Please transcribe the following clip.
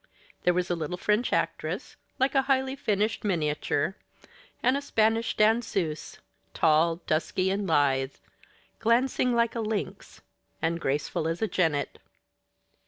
There was a little French actress, like a highly finished miniature; and a Spanish danseuse, tall, dusky, and lithe, glancing like a lynx, and graceful as a jennet.